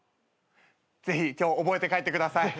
ぜひ今日覚えて帰ってください。